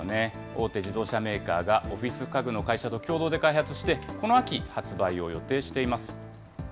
大手自動車メーカーがオフィス家具の会社と共同で開発して、この秋、発売を予定しています。